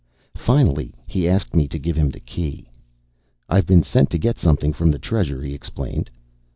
Finally, he asked me to give him the Key. "I've been sent to get something from the Treasure," he explained.